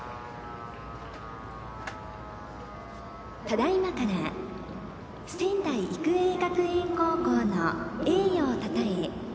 ただいまから仙台育英学園高校の栄誉をたたえ